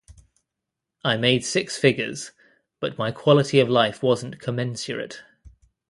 I made six figures, but my quality of life wasn't commensurate.